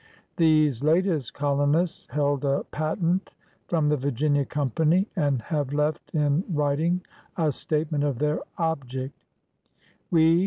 These latest colonists held a patent from the Virginia Company and have left in writing a statement of their object: "We